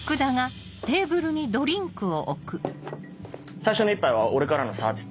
最初の１杯は俺からのサービス。